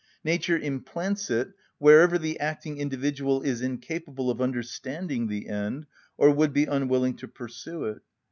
Nature implants it wherever the acting individual is incapable of understanding the end, or would be unwilling to pursue it.